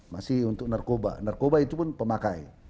masih untuk narkoba narkoba itu pun pemakai